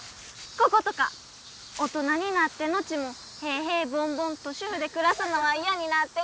こことか「大人になって後も平々凡々と主婦で暮らすのは嫌になっていた」。